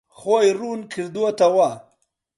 خۆی ڕوون کردووەتەوە.